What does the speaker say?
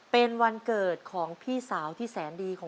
เป็นวันเกิดของใครหนูจำได้ไหมลูก